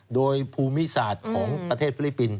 โดยภูมิศาสตร์ของประเทศฟิลิปปินส